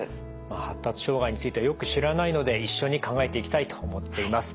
発達障害についてはよく知らないので一緒に考えていきたいと思っています。